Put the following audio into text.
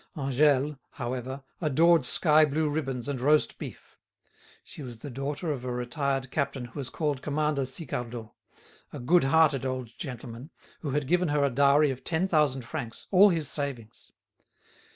Angèle, however, adored sky blue ribbons and roast beef. She was the daughter of a retired captain who was called Commander Sicardot, a good hearted old gentleman, who had given her a dowry of ten thousand francs—all his savings.